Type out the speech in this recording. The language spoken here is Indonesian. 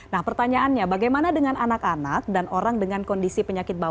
nah pertanyaannya bagaimana dengan anak anak dan orang dengan kondisi penyakit bawaan